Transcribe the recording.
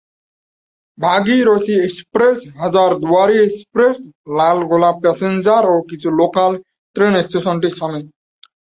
Bhagirathi express, Hazarduari express, Lalgola passenger ও কিছু local train স্টেশনটিতে থামে।